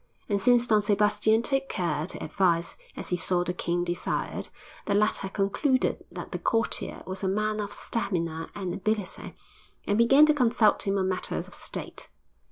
And since Don Sebastian took care to advise as he saw the king desired, the latter concluded that the courtier was a man of stamina and ability, and began to consult him on matters of state.